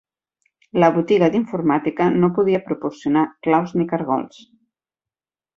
La botiga d'informàtica no podia proporcionar claus ni cargols.